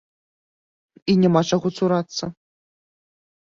І няма чаго цурацца.